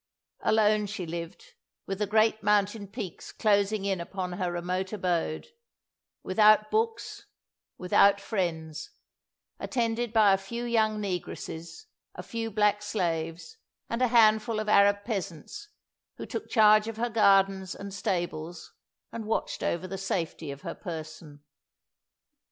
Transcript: Alone she lived, with the great mountain peaks closing in upon her remote abode without books, without friends; attended by a few young negresses, a few black slaves, and a handful of Arab peasants, who took charge of her gardens and stables, and watched over the safety of her person.